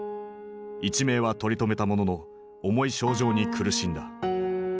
一命は取り留めたものの重い症状に苦しんだ。